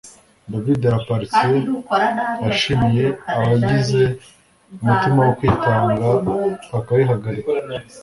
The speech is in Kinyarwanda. David Lappartient yashimiye abagize umutima wo kwitanga bakayihagarika